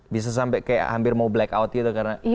bisa sampai kayak hampir mau black out gitu karena